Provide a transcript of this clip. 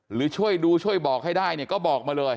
หรือช่วยดูช่วยบอกให้ได้เนี่ยก็บอกมาเลย